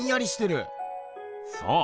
そう。